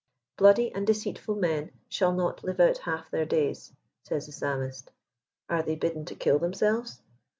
" Bloody and deceitful men shall not live out half their days," says the Psalmist. Are they bidden to kill themselves